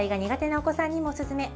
なお子さんにもおすすめ。